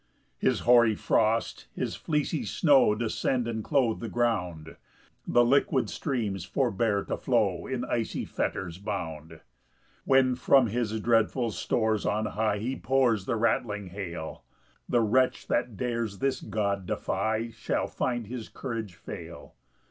5 His hoary frost, his fleecy snow Descend and clothe the ground; The liquid streams forbear to flow, In icy fetters bound. 6 When from his dreadful stores on high He pours the rattling hail, The wretch that dares this God defy Shall find his courage fail.